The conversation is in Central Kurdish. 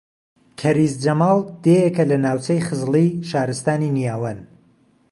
کەریز جەماڵ دێیەکە لە ناوچەی خزڵی شارستانی نیاوەن